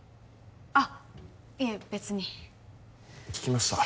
あっいえ別に聞きました